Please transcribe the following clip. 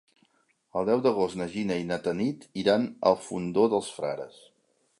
El deu d'agost na Gina i na Tanit iran al Fondó dels Frares.